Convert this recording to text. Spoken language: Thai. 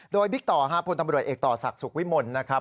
โดยวิกต่อ๕พตเอกต่อศักดิ์สุขวิมลนะครับ